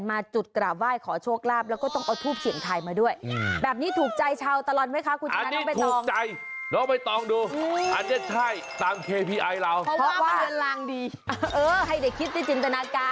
มาจุดกระไหว้ขอโชคลาภ